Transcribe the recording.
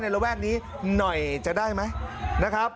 ระแวกนี้หน่อยจะได้ไหมนะครับ